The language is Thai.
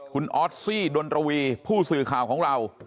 คุณออสซี่ดนรวีผู้สื่อข่าวของเรา